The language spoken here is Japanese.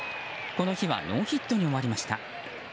この日はノーヒットに終わりました。